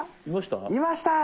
いました！